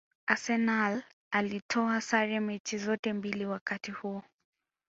Arsenal alitoa sare mechi zote mbili wakati huo